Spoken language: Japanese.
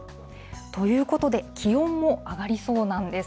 ということで、気温も上がりそうなんです。